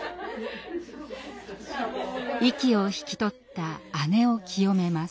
息を引き取った義姉を清めます。